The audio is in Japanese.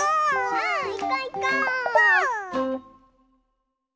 うんいこういこう！ぽぅ！